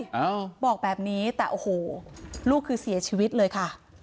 เอ้าบอกแบบนี้แต่โอ้โหลูกคือเสียชีวิตเลยค่ะ